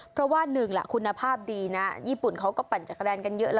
เพราะว่า๑คุณภาพดีเราก็ปั่นจักรยานกันเยอะ